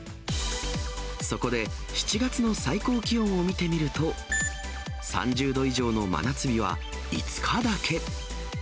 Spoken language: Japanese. そこで、７月の最高気温を見てみると、３０度以上の真夏日は５日だけ。